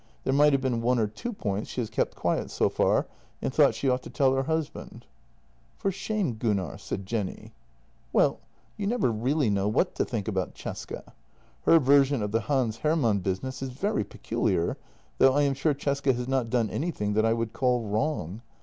" There might have been one or two points she has kept quiet so far, and thought she ought to tell her husband." " For shame, Gunnar," said Jenny. " Well — you never really know what to think about Cesca. Her version of the Hans Hermann business is very peculiar, though I am sure Cesca has not done anything that I would call wrong.